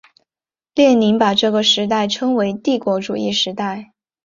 列宁把这个时代称为帝国主义时代。